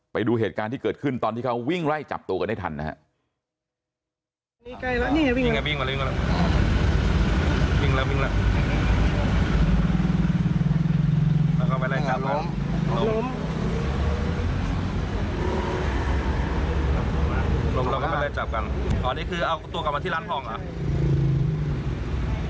ไปดูเหตุการณ์ที่เกิดขึ้นตอนที่เขาวิ่งไล่จับตัวกันได้ทันนะครับ